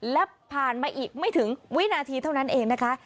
และผ่านมาอีกไม่ถึงวินาทีเท่านั้นเองนะคะ